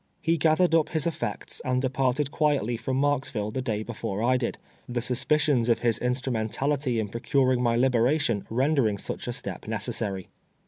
He gathered up his effects and departed quietly from Marksville the day before I did, the suspicions of his instrumeiitality in procuring my liberation rendering such a stop n ccessary.